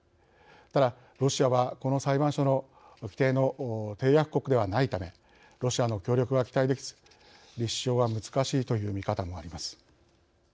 ただ、ロシアはこの裁判所の規程の締約国ではないためロシアの協力は期待できず立証は難しいという見方もあります。